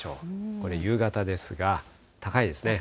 これ、夕方ですが、高いですね。